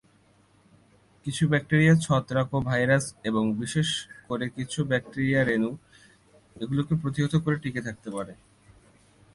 কিছু ব্যাকটেরিয়া, ছত্রাক ও ভাইরাস, এবং বিশেষ করে কিছু ব্যাকটেরিয়া রেণু, এগুলিকে প্রতিহত করে টিকে থাকতে পারে।